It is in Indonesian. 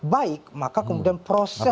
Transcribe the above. baik maka kemudian proses